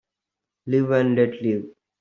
Live and let live.